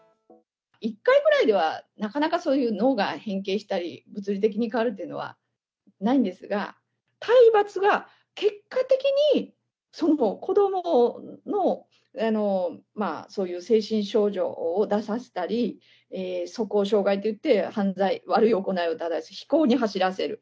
１回ぐらいではなかなかそういう、脳が変形したり、物理的に変わるということはないんですが、体罰が結果的に、子どものそういう精神症状を出させたり、素行障害といって、犯罪、悪い行い、非行に走らせる。